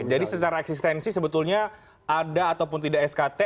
jadi secara eksistensi sebetulnya ada ataupun tidak skt